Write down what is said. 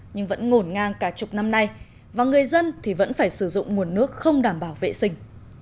nhưng vẫn ngổn ngang cả chục năm nay và người dân thì vẫn phải sử dụng nguồn nước không đảm bảo vệ sinh